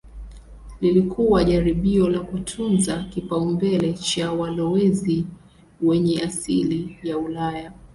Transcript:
Lilikuwa jaribio la kutunza kipaumbele cha walowezi wenye asili ya Ulaya.